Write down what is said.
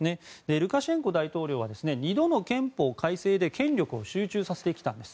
ルカシェンコ大統領は２度の憲法改正で権力を集中させてきたんです。